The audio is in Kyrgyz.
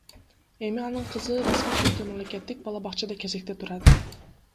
Эми анын кызы расмий түрдө мамлекеттик бала бакчада кезекте турат.